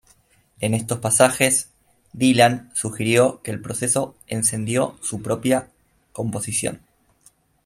En estos pasajes, Dylan sugirió que el proceso encendió su propia composición.